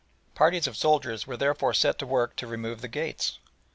Parties of soldiers were therefore set to work to remove the gates.